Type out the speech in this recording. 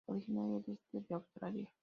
Originario de este de Australia.